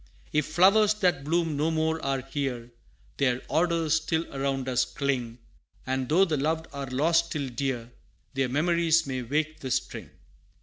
If flowers that bloom no more are here, Their odors still around us cling And though the loved are lost still dear, Their memories may wake the string.